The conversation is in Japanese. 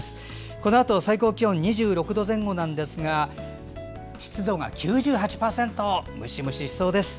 このあと最高気温２６度前後なんですが湿度が９８％ムシムシしそうです。